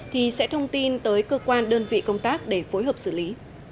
thì sẽ thông tin tới cơ quan đơn vị công tác để phối hợp xử lý